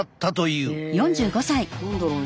へえ何だろうね？